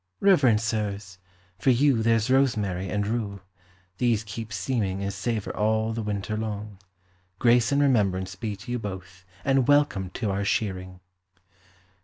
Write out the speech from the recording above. "Reverend sirs, for you there's rosemary and rue; these keep seeming and savour all the winter long. Grace and remembrance be to you both, and welcome to our shearing."